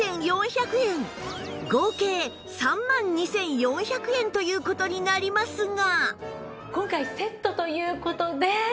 合計３万２４００円という事になりますが